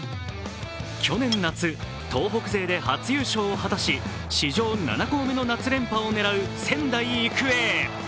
去年夏、東北勢で初優勝を果たし史上７校目の夏連覇を狙う仙台育英。